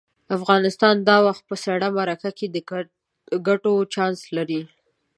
افغانستان دا وخت په سړه مرکه کې د ګټو چانس لري.